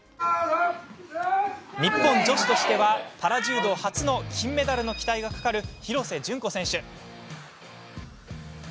日本女子としてはパラ柔道初の金メダルの期待がかかる廣瀬順子選手。